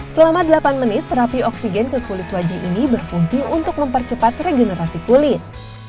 selama delapan menit terapi oksigen ke kulit wajah ini berfungsi untuk mempercepat regenerasi kulit